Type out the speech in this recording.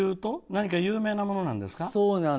何か有名なものなんですか？